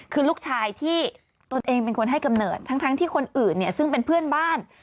คือลูกชายที่ตนเองเป็นคนให้กำเนิดทั้งที่คนอื่นเนี่ยซึ่งเป็นเพื่อนบ้าน